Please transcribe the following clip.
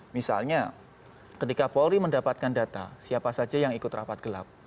misalnya ketika polri mendapatkan data siapa saja yang ikut rapat gelap